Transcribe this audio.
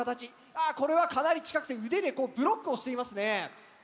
あこれはかなり近くて腕でブロックをしていますね。